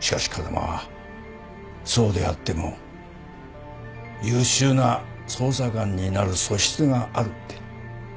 しかし風間はそうであっても優秀な捜査官になる素質があるって。